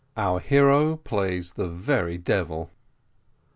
OUR HERO PLAYS THE VERY DEVIL.